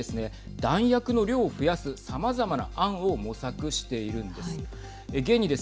弾薬の量を増やすさまざまな案を模索しているんです。